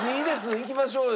いきましょうよ。